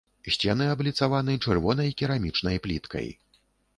Сцены абліцаваны чырвонай керамічнай пліткай.